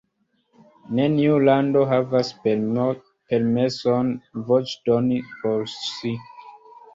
Neniu lando havas permeson voĉdoni por si.